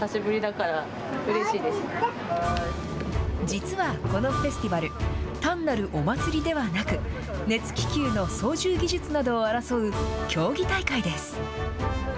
実はこのフェスティバル、単なるお祭りではなく、熱気球の操縦技術などを争う競技大会です。